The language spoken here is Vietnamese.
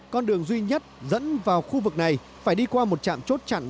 con đường duy nhất dẫn vào khu vực này phải đi qua một trạm chốt chặn